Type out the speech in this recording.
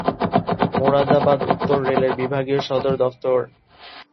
মোরাদাবাদ উত্তর রেলের বিভাগীয় সদর দফতর দপ্তর।